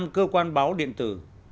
một trăm linh năm cơ quan báo điện tử